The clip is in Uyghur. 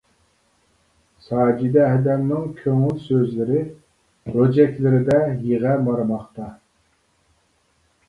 ساجىدە ھەدەمنىڭ كۆڭۈل سۆزلىرى روجەكلىرىدە يىغا مارىماقتا.